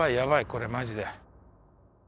これマジで。